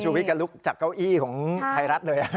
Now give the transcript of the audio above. วิทย์ก็ลุกจากเก้าอี้ของไทยรัฐเลย